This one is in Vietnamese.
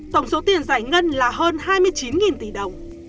tổng số tiền giải ngân là hơn hai mươi chín tỷ đồng